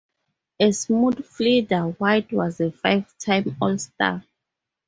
A smooth fielder, White was a five-time All-Star.